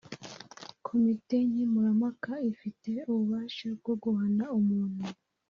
komite nkemurampaka ifite ububasha bwo guhana umuntu